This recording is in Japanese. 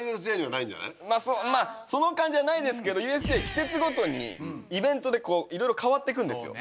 まあその感じはないですけどＵＳＪ季節ごとにイベントでこういろいろ変わっていくんですよ。